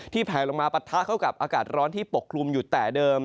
แผลลงมาปะทะเข้ากับอากาศร้อนที่ปกคลุมอยู่แต่เดิม